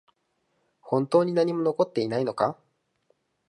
本当に何も残っていないのか？